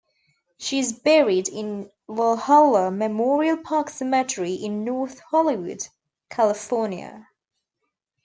She is buried in Valhalla Memorial Park Cemetery in North Hollywood, California.